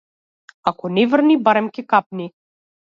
Ако не врни, барем ќе капни.